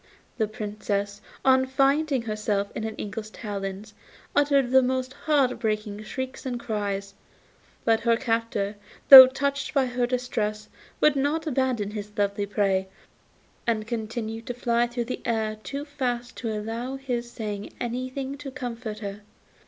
The Princess, on finding herself in an eagle's talons, uttered the most heart breaking shrieks and cries; but her captor, though touched by her distress, would not abandon his lovely prey, and continued to fly through the air too fast to allow of his saying anything to comfort her.